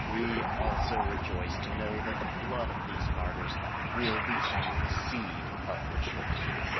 We also rejoice to know that the blood of the martyrs will become the seed of the Church.